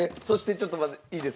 そしてちょっと待って。